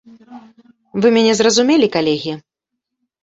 Вы мяне зразумелі, калегі?